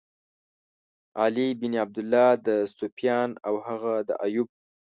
علی بن عبدالله، د سُفیان او هغه د ایوب.